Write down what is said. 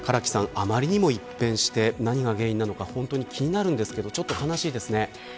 あまりにも一変して何が原因なのか気になるんですけど悲しいですね。